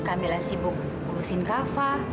kamila sibuk uruskan kava